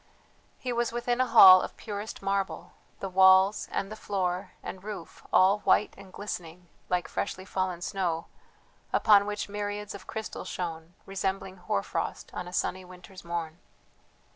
He was within a hall of purest marble, the walls, and floor, and roof all white and glistening like freshly fallen snow, upon which myriads of crystals shone, resembling hoar frost on a sunny winter's morn.